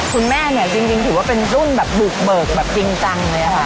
คุณแม่เนี่ยจริงถือว่าเป็นรุ่นแบบบุกเบิกแบบจริงจังเลยค่ะ